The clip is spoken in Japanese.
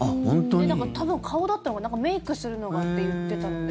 多分、顔だったのかメイクするのがって言ってたんで。